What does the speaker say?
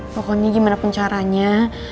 pokoknya gimana pun caranya